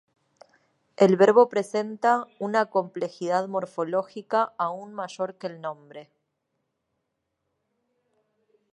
El verbo presenta una complejidad morfológica aún mayor que el nombre.